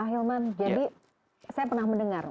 ah hilman jadi saya pernah mendengar